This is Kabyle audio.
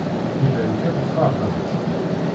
Iban kan tfeṛḥemt.